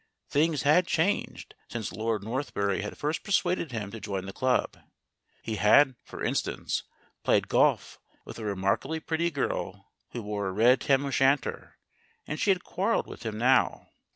Things had changed since Lord Northberry had first persuaded him to join the club. He had, for instance, played golf with a remarkably pretty girl who wore a red tam o' shanter, and she had quarrelled with him now.